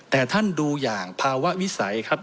แต่ท่านดูอย่างภาวะวิสัยครับ